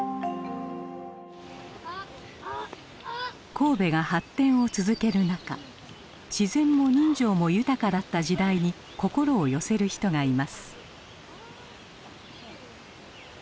神戸が発展を続ける中自然も人情も豊かだった時代に心を寄せる人がいます。